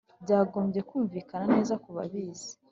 Byagombye kumvikana neza kubabizi.